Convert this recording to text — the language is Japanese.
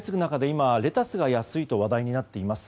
今、レタスが安いと話題になっています。